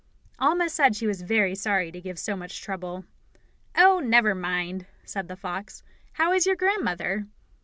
Alma said she was very sorry to give so much trouble. "Oh, never mind," said the fox. "How is your grandmother?"